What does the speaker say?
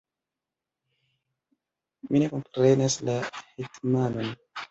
Mi ne komprenas la hetmanon.